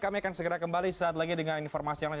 kami akan segera kembali saat lagi dengan informasi yang lain